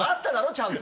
ちゃんと。